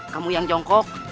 kamu yang jongkok